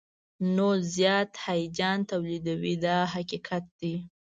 نو زیات هیجان تولیدوي دا حقیقت دی.